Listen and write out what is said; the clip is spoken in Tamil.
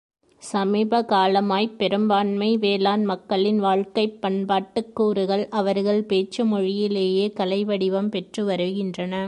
சமீப காலமாய்ப் பெரும்பான்மை வேளாண் மக்களின் வாழ்க்கைப் பண்பாட்டுக் கூறுகள் அவர்கள் பேச்சுமொழியிலேயே கலைவடிவம் பெற்றுவருகின்றன.